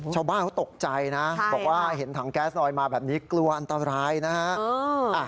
ชาวบ้านเขาตกใจนะบอกว่าเห็นถังแก๊สลอยมาแบบนี้กลัวอันตรายนะฮะ